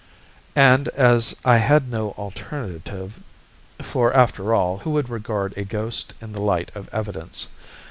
"And as I had no alternative for, after all, who would regard a ghost in the light of evidence?